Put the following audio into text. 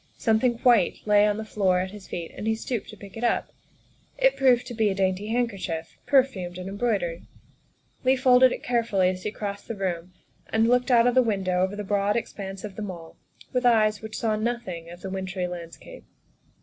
Something white lay on the floor at his feet and he stooped to pick it up. It proved to be a dainty handkerchief, perfumed and embroidered. Leigh folded it carefully as he crossed the room and looked out of the window over the broad expanse of The Mall with eyes which saw nothing of the wintry landscape.